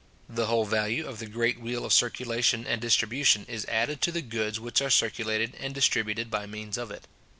The whole value of the great wheel of circulation and distribution is added to the goods which are circulated and distributed by means of it.